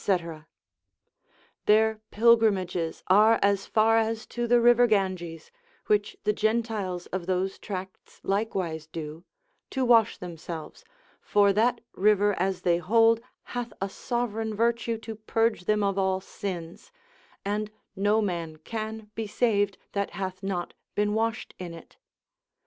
Their pilgrimages are as far as to the river Ganges (which the Gentiles of those tracts likewise do), to wash themselves, for that river as they hold hath a sovereign virtue to purge them of all sins, and no man can be saved that hath not been washed in it.